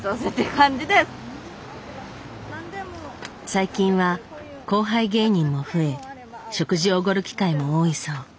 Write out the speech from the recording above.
最近は後輩芸人も増え食事をおごる機会も多いそう。